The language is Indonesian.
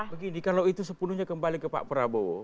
begini kalau itu sepenuhnya kembali ke pak prabowo